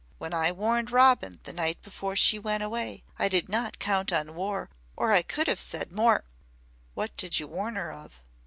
When I warned Robin, the night before she went away, I did not count on war or I could have said more " "What did you warn her of?"